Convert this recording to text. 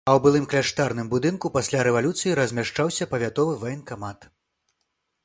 А ў былым кляштарным будынку пасля рэвалюцыі размяшчаўся павятовы ваенкамат.